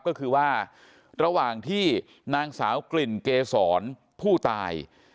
ก็คือว่าระหว่างที่นางสาวกลิ่นเกษรผู้ตาย